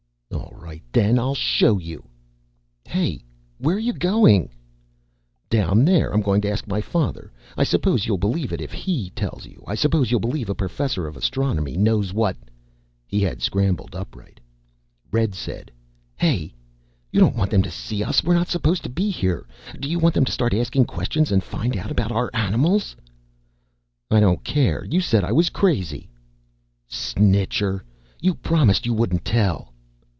"All right, then. I'll show you." "Hey! Where are you going?" "Down there. I'm going to ask my father. I suppose you'll believe it if he tells you. I suppose you'll believe a Professor of Astronomy knows what " He had scrambled upright. Red said, "Hey. You don't want them to see us. We're not supposed to be here. Do you want them to start asking questions and find out about our animals?" "I don't care. You said I was crazy." "Snitcher! You promised you wouldn't tell."